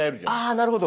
あなるほど。